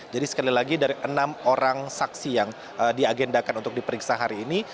jadi sekali lagi dari enam orang saksi yang diagendakan untuk diperiksa hari ini